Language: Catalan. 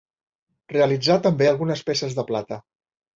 Realitzà també algunes peces de plata.